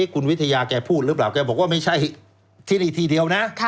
คุณวิทยาแกพูดหรือเปล่าแกบอกว่าไม่ใช่ที่นี่ที่เดียวนะ